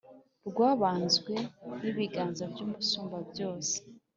rwabanzwe n’ibiganza by’Umusumbabyose.